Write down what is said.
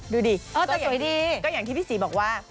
ดูดิก็อย่างที่พี่สีบอกว่า